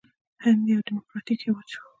هند یو ډیموکراټیک هیواد شو.